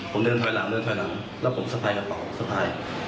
ผมเดินถอยหลังเลยถอยหลังแล้วผมสะพายกระเป๋าสะพาย